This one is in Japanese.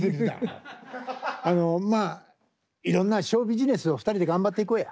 あのまあいろんなショービジネスを２人で頑張っていこうや。